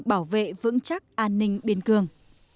bảo vệ vững chắc an ninh biên cường